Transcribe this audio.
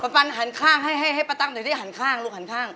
ฟันหันข้างให้ให้ป้าตั้มหน่อยสิหันข้างลูกหันข้าง